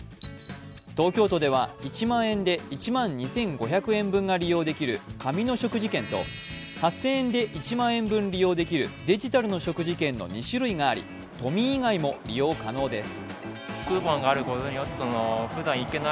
東京都では、１万円で１万２５００円分が利用できる紙の食事券と８０００円で１万円分利用できるデジタルの食事券の２種類があり都民以外も利用可能です。